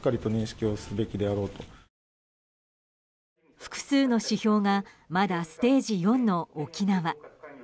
複数の指標がまだステージ４の沖縄。